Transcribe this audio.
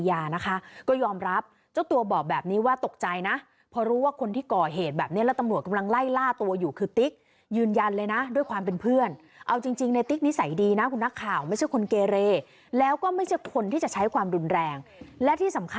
อาจจะมีแต่ว่าไม่สามารถเป็นอย่างไร